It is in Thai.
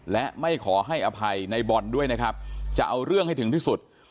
และไม่ขอให้อภัยในบอลด้วยนะครับจะเอาเรื่องให้ถึงที่สุด